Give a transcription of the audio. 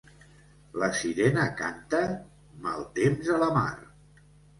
La sirena canta? Mal temps a la mar.